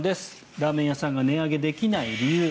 ラーメン屋さんが値上げできない理由。